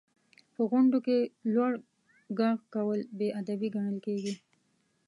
• په غونډو کې لوړ ږغ کول بې ادبي ګڼل کېږي.